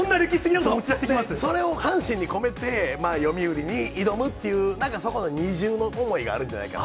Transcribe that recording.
そう、それを阪神に込めて、読売に挑むっていう、なんか二重の思いがあるんじゃないかなと。